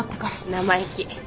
生意気。